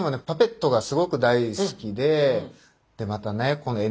パペットがすごく大好きででまたね